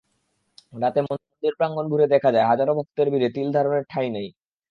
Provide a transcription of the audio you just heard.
রাতে মন্দির প্রাঙ্গণ ঘুরে দেখা যায়, হাজারো ভক্তের ভিড়ে তিল ধারনের ঠাঁই নেই।